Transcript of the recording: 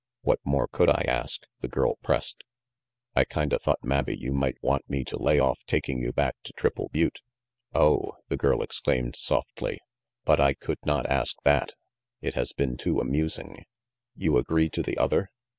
"What more could I ask?" the girl pressed, j "I kinda thought mabbe you might want me to lay off taking you back to Triple Butte." rv "Oh," the girl exclaimed softly, "but I could not ask that. It has been too amusing. You agree to the other?